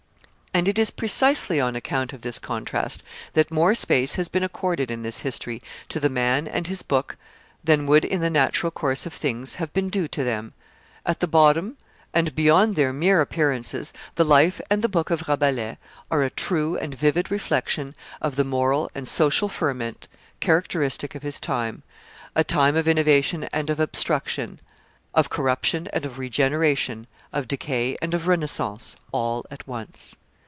And it is precisely on account of this contrast that more space has been accorded in this history to the man and his book than would in the natural course of things have been due to them. At bottom and, beyond their mere appearances the life and the book of Rabelais are a true and vivid reflection of the moral and social ferment characteristic of his time. A time of innovation and of obstruction, of corruption and of regeneration, of decay and of renaissance, all at once.